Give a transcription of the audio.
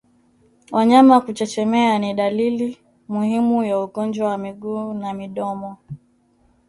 Wanyama kuchechemea ni dalili muhimu ya ugonjwa wa miguu na midomo